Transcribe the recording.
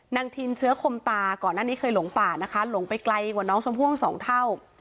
ทินเชื้อคมตาก่อนหน้านี้เคยหลงป่านะคะหลงไปไกลกว่าน้องชมพู่สองเท่า